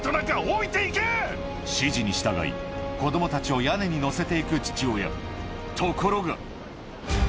指示に従い、子どもたちを屋根に乗せていく父親。